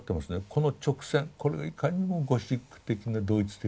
この直線これがいかにもゴシック的なドイツ的なね